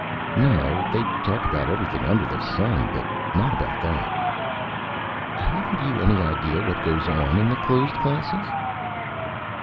"No. They talk about everything under the sun, but not about that." "Haven't you any idea what goes on in the closed classes?"